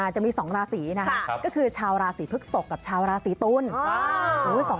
จะมี๒ราศีนะคะก็คือชาวราศีพฤกษกกับชาวราศีตุล